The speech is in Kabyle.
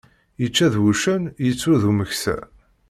Yečča d wuccen, yettru d umeksa.